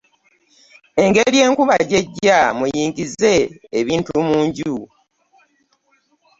Engeri enkuba gyejja muyingize ebintu mu nju.